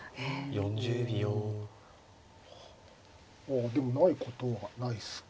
あでもないことはないっすか。